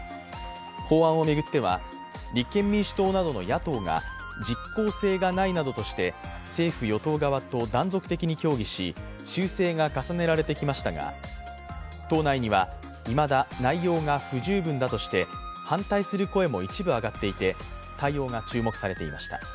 法案を巡っては、立憲民主党などの野党が実効性がないなどとして政府・与党側と断続的に協議し修正が重ねられてきましたが、党内にはいまだ内容が不十分だとして反対する声も一部上がっていて対応が注目されていました。